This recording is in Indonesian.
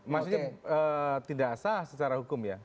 maksudnya tidak sah secara hukum ya